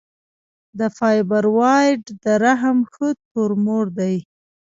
د فایبروایډ د رحم ښه تومور دی.